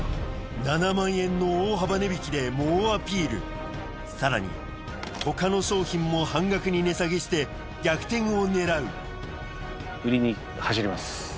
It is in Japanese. ７万円の大幅値引きで猛アピールさらに他の商品も半額に値下げして逆転を狙う売りに走ります。